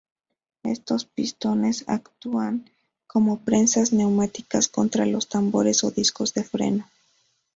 Estos pistones actúan como prensas neumáticas contra los tambores o discos de freno.